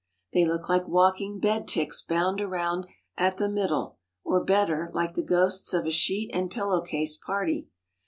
They look like walking bed ticks bound around at the middle, or, better, like the ghosts of a sheet and pillow case party.